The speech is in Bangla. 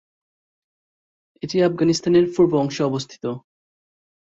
এটি আফগানিস্তানের পূর্ব অংশে অবস্থিত।